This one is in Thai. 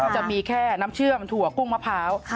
จะมีแค่น้ำเชื่อมถั่วกุ้งมะพร้าว